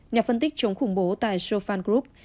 nhà phân tích chống khủng bố tại sofan group